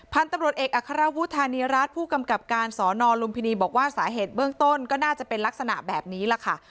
พันธุ์ตำรวจเอกอัครวุฒานีรัฐผู้กำกับการสอนอลุมพินีบอกว่าสาเหตุเบื้องต้นก็น่าจะเป็นลักษณะแบบนี้แหละค่ะ